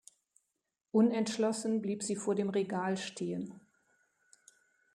Unentschlossen blieb sie vor dem Regal stehen.